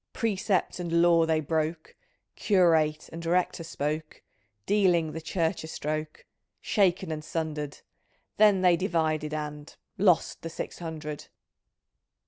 $9 Precept and law they broke, Curate and rector spoke, Dealing the Church a stroke Shaken and sundered — Then they divided, and Lost the six hundred